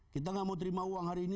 kita gak mau terima uang hari ini